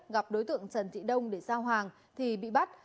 gặp đối tượng trần thị đông để giao hàng thì bị bắt